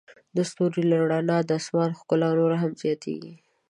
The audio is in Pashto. د ستوري له رڼا د آسمان ښکلا نوره هم زیاتیږي.